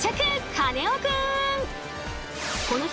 カネオくん！